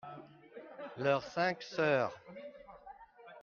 Leurs cinq sœurs.